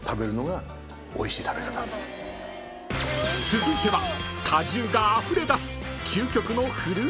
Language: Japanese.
［続いては］